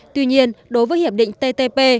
tuy nhiên đối với hiệp định ttp